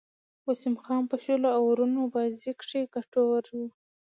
وسیم خان په شلو آورونو بازيو کښي ګټور وو.